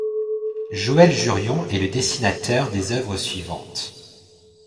Joël Jurion est le dessinateur des œuvres suivantes.